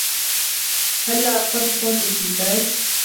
هلّا أخفضت صوت التلفاز؟